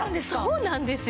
そうなんですよ。